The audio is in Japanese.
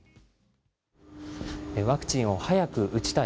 ワクチンを早く打ちたい。